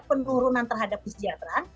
penurunan terhadap kesejahteraan